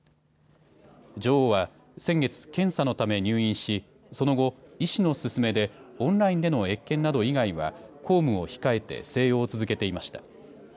女王は先月、検査のため入院しその後、医師の勧めでオンラインでの謁見など以外は公務を控えて静養を続けていました。